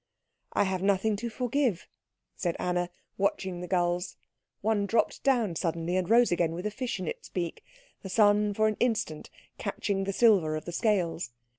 "I have nothing to forgive," said Anna, watching the gulls; one dropped down suddenly, and rose again with a fish in its beak, the sun for an instant catching the silver of the scales.